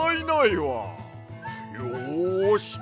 よし！